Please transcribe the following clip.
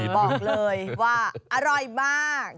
บอกเลยว่าอร่อยมาก